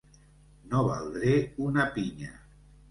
No valdre una pinya.